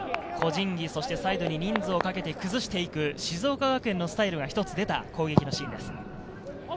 個人技、そしてサイドに人数をかけて崩していく静岡学園のスタイルが一つ出た攻撃のシーンです。